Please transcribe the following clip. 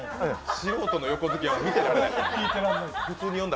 素人の横好きは見てられない。